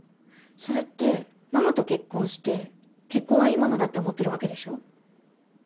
それってママと結婚して結婚はいいものだって思ってるわけでしょ？